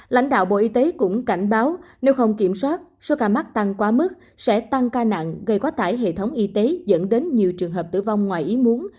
lãnh đạo bộ y tế cũng cảnh báo nếu không kiểm soát số ca mắc tăng quá mức sẽ tăng ca nặng gây quá tải hệ thống y tế dẫn đến nhiều trường hợp tử vong ngoài ý muốn